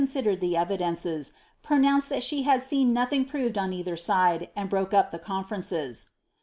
odered the evideocee, pronouaced that she had seen nothing proved on dther side, and broke up the conferences.